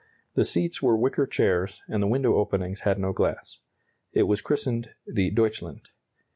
The seats were wicker chairs, and the window openings had no glass. It was christened the "Deutschland."